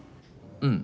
うん。